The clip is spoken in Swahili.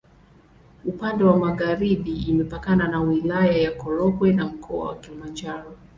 Upande wa magharibi imepakana na Wilaya ya Korogwe na Mkoa wa Kilimanjaro.